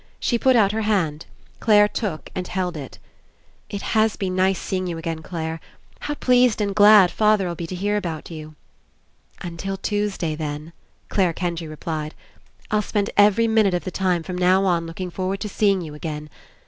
She put out her hand. Clare took and held It. "It has been nice seeing you again, Clare. How pleased and glad father'll be to hear about you!" "Until Tuesday, then," Clare Kendry replied. "I'll spend every minute of the time 47 PASSING from now on looking forward to seeing you again.